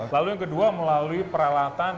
lalu yang kedua melalui peralatan dan perusahaan